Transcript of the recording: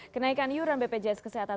kenaikan iuran bpjs kesehatan terus dihapuskan